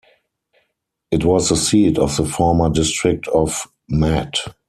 It was the seat of the former District of Mat.